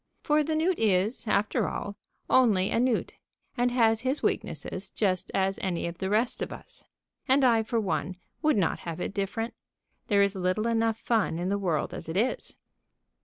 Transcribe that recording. For the newt is, after all, only a newt, and has his weaknesses just as any of the rest of us. And I, for one, would not have it different. There is little enough fun in the world as it is.